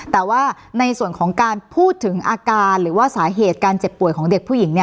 แต่ว่าในส่วนของการพูดถึงอาการหรือว่าสาเหตุการเจ็บป่วยของเด็กผู้หญิง